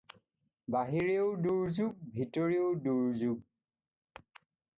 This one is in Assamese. বাহিৰেও দুৰ্য্যোগ, ভিতৰেও দুৰ্য্যোগ।